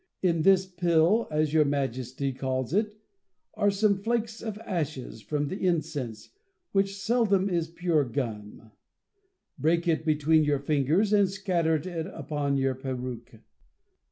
In this pill, as your Majesty calls it, are some flakes of ashes from the incense, which seldom is pure gum; break it V)e.tween 23 34 /^l/ ^ GINA R V CONVEYS A TIONS. your fingers, and scatter it upon your peruke.